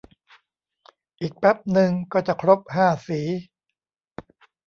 อีกแป๊บนึงก็จะครบห้าสี